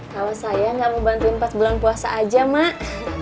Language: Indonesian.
kalau saya nggak mau bantuin empat bulan puasa aja mak